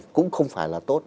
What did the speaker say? cũng không phải là tốt